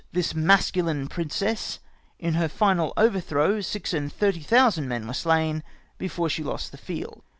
9 this masculine Princess, in her final Overtlirow Six and thirty thousand men were slain before she lost the Field.